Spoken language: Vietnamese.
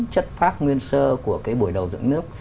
chất phác nguyên sơ của cái buổi đầu dựng nước